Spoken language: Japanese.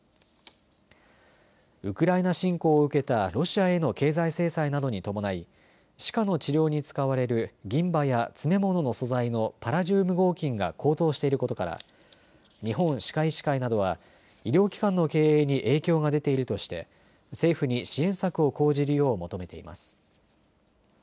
ウクライナ侵攻を受けたロシアへの経済制裁などに伴い歯科の治療に使われる銀歯や詰め物の素材のパラジウム合金が高騰していることから日本歯科医師会などは医療機関の経営に影響が出ているとして政府に支援策を講じるよう求めています。